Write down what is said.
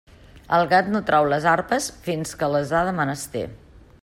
El gat no trau les arpes fins que les ha de menester.